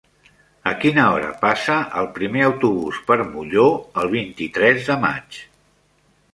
A quina hora passa el primer autobús per Molló el vint-i-tres de maig?